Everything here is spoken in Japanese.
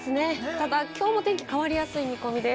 ただ、きょうも天気が変わりやすい見込みです。